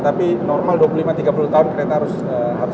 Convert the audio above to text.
tapi normal dua puluh lima tiga puluh tahun kereta harus